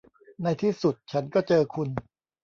ในที่สุดฉันก็เจอคุณ